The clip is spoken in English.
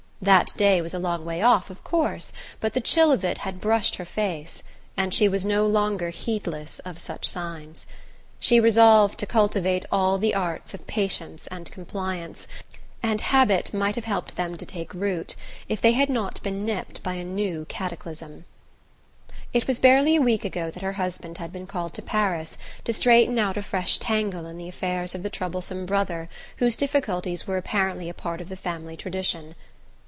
That day was a long way off, of course, but the chill of it had brushed her face; and she was no longer heedless of such signs. She resolved to cultivate all the arts of patience and compliance, and habit might have helped them to take root if they had not been nipped by a new cataclysm. It was barely a week ago that her husband had been called to Paris to straighten out a fresh tangle in the affairs of the troublesome brother whose difficulties were apparently a part of the family tradition.